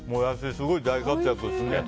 すごい大活躍ですね。